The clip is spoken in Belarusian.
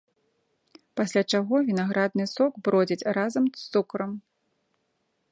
Пасля чаго вінаградны сок бродзіць разам з цукрам.